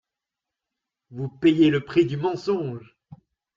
Vous payez le prix du mensonge